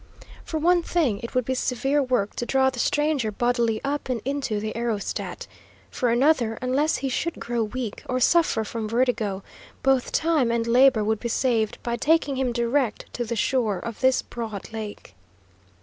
For one thing, it would be severe work to draw the stranger bodily up and into the aerostat. For another, unless he should grow weak, or suffer from vertigo, both time and labour would be saved by taking him direct to the shore of this broad lake.